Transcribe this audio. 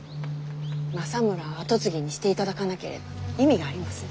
政村を跡継ぎにしていただかなければ意味がありません。